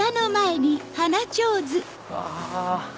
うわ！